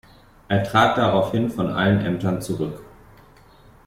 Er trat daraufhin von allen Ämtern zurück.